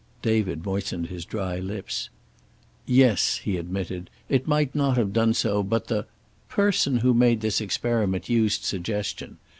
David moistened his dry lips. "Yes," he admitted. "It might not have done so, but the the person who made this experiment used suggestion.